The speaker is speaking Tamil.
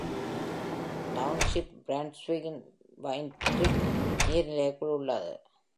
டவுன்ஷிப் பிராண்டிவைன் க்ரீக் நீர்நிலைக்குள் உள்ளது.